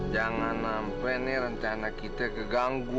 jangan sampai nih rencana kita keganggu